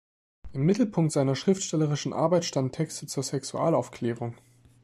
Im Mittelpunkt seiner schriftstellerischen Arbeit standen Texte zur Sexualaufklärung.